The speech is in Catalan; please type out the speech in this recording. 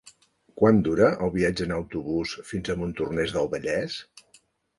Quant dura el viatge en autobús fins a Montornès del Vallès?